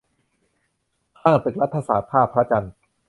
ข้างตึกรัฐศาสตร์ ท่าพระจันทร์